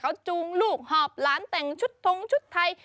เขาจูงลูกหอบหลานแต่งชุดทงชุดไทย